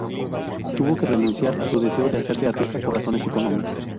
Tuvo que renunciar a su deseo de hacerse artista por razones económicas.